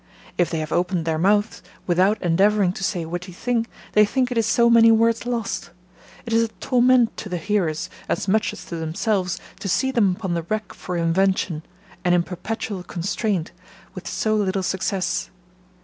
If they have opened their mouths, without endeavouring to say a witty thing, they think it is so many words lost: It is a torment to the hearers, as much as to themselves, to see them upon the rack for invention, and in perpetual constraint, with so little success.